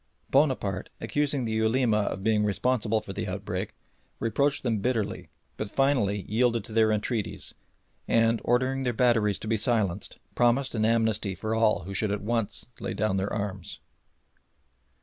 Bonaparte, accusing the Ulema of being responsible for the outbreak, reproached them bitterly, but finally yielded to their entreaties, and, ordering the batteries to be silenced, promised an amnesty for all who should at once lay down their arms.